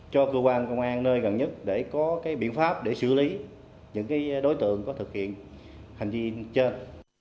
cho cơ quan công an nơi gần nhất để có biện pháp để xử lý những đối tượng có thực hiện hành vi trên